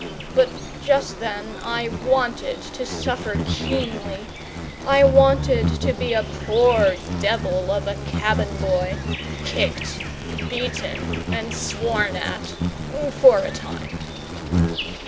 But just then I wanted to suffer keenly; I wanted to be a poor devil of a cabin boy, kicked, beaten, and sworn at for a time.